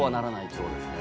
そうですね。